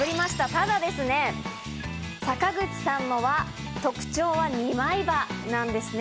ただですね、坂口さんの特徴は２枚刃なんですね。